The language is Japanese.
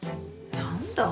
何だ。